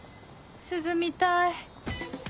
涼みたい